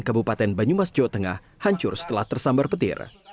kabupaten banyumas jawa tengah hancur setelah tersambar petir